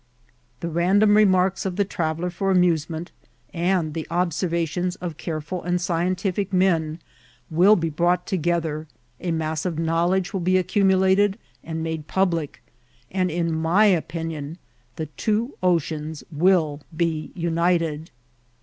The random re marks of the traveller for amusement, and the observa tions of careful and scientific men, will be brought to gether, a mass of knowledge will be accumulated and made public, and in my opinion the two oceans will be united.